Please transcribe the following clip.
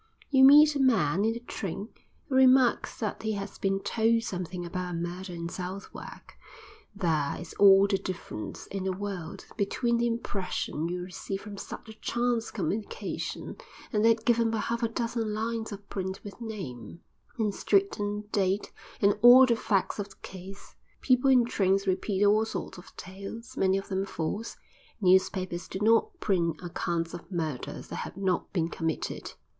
You meet a man in the train who remarks that he has been told something about a murder in Southwark; there is all the difference in the world between the impression you receive from such a chance communication and that given by half a dozen lines of print with name, and street and date and all the facts of the case. People in trains repeat all sorts of tales, many of them false; newspapers do not print accounts of murders that have not been committed.